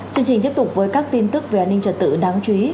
chương trình tiếp tục với các tin tức về an ninh trật tự đáng chú ý